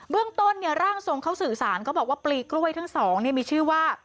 เรื่องต้นร่างทรงเขาสื่อสารเขาบอกว่าปลีกล้วยทั้งสองมีชื่อว่า